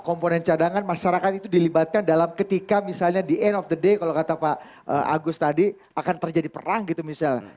komponen cadangan masyarakat itu dilibatkan dalam ketika misalnya the end of the day kalau kata pak agus tadi akan terjadi perang gitu misalnya